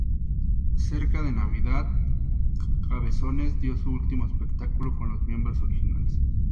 Cerca de Navidad, Cabezones dio su último espectáculo con los miembros originales.